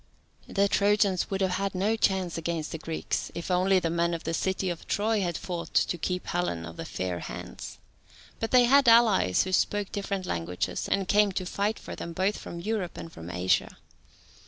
The Trojans would have had no chance against the Greeks if only the men of the city of Troy had fought to keep Helen of the fair hands. But they had allies, who spoke different languages, and came to fight for them both from Europe and from Asia.